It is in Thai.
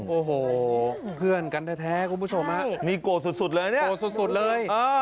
โอ้โหเพื่อนกันแท้คุณผู้ชมฮะนี่โกรธสุดเลยเนี่ยโกรธสุดเลย